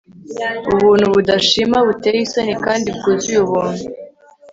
Ubuntu budashima buteye isoni kandi bwuzuye ubuntu